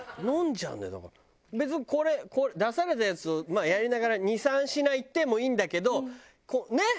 別にこれ出されたやつをやりながら２３品いってもいいんだけどねっ？